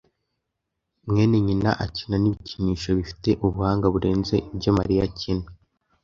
mwene nyina akina n ibikinisho bifite ubuhanga burenze ibyo Mariya akina.